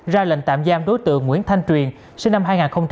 ra lệnh tạm giam đối tượng nguyễn thanh truyền sinh năm hai nghìn